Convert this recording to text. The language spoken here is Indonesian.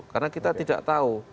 karena kita tidak tahu